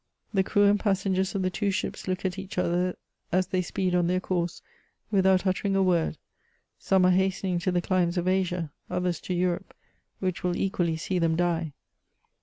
The crew and passengers of the two ships look at each other as they speed on their course, without uttering a word : some are hastening to the climes of Asia, others to Europe, which will equally see them die.